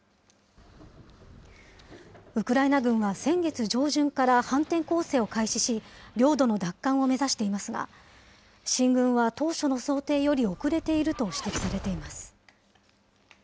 ウクライナ軍は先月上旬から反転攻勢を開始し、領土の奪還を目指していますが、進軍は当初の想定より遅れていると指摘されています。